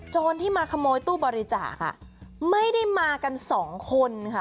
ที่มาขโมยตู้บริจาคไม่ได้มากันสองคนค่ะ